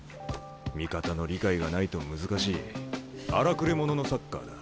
味方の理解がないと難しい荒くれ者のサッカーだ。